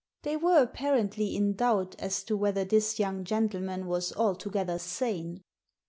They were apparently in doubt as to whether this young gentle man was altogether sane.